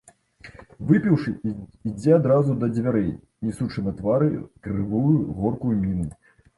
Выпіўшы, ідзе адразу да дзвярэй, несучы на твары крывую горкую міну.